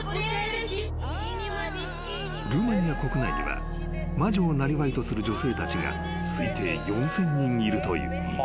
［ルーマニア国内には魔女をなりわいとする女性たちが推定４，０００人いるという］